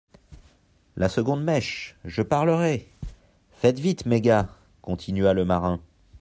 La seconde mèche ! Je parlerai !… Faites vite, mes gars ! continua le marin.